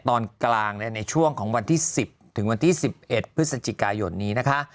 ตอนกลางในช่วงของวันที่๑๐ถึงวันที่๑๑พฤศจิกายนนี้นะคะ